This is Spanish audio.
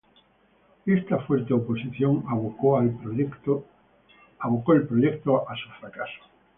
Esta fuerte oposición abocó al proyecto a su fracaso.